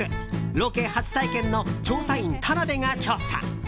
ロケ初体験の調査員タナベが調査。